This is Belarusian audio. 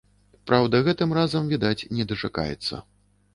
Праўда, гэтым разам, відаць, не дачакаецца.